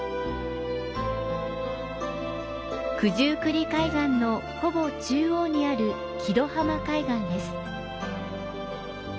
九十九里海岸のほぼ中央にある木戸浜海岸です。